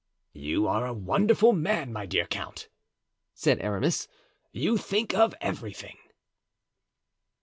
"You are a wonderful man, my dear count," said Aramis; "you think of everything."